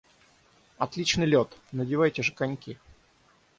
Отличный лед, надевайте же коньки.